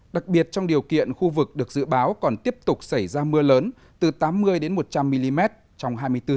đặc biệt trong điều kiện khu vực được dự báo còn tiếp tục xảy ra mưa lớn từ tám mươi một trăm linh mm trong hai mươi bốn h